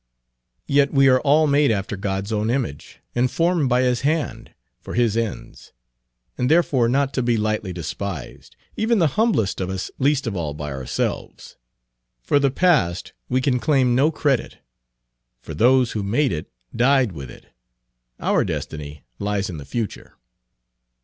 Yet we are all made after God's own image, and formed by his hand, for his ends; and therefore not to be lightly despised, even the humblest of us least of all by ourselves. For the past we can claim no credit, for those who made it died with it. Our destiny lies in the future."